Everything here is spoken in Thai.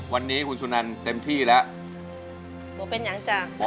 บอกเป็นอย่าง